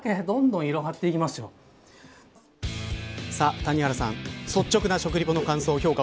谷原さん、率直な食リポの感想評価